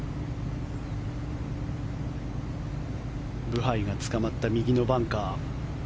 ブハイがつかまった右のバンカー。